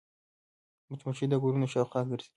مچمچۍ د ګلونو شاوخوا ګرځي